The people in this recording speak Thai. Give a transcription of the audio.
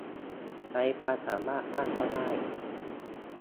ใช้ความสามารถบ้างก็ได้